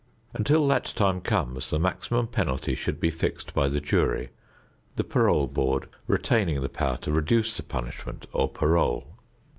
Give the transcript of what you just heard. Until that time comes, the maximum penalty should be fixed by the jury, the parole board retaining the power to reduce the punishment or parole.